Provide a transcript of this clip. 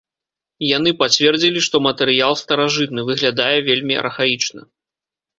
Яны пацвердзілі, што матэрыял старажытны, выглядае вельмі архаічна.